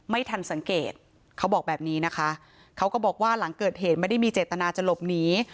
ไม่ทันสังเกตเขาบอกแบบนี้นะคะเขาก็บอกว่าหลังเกิดเหตุไม่ได้มีเจตนาจะหลบหนี